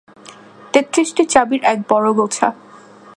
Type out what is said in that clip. তেত্রিশটি চাবির একটা বড় গোছা।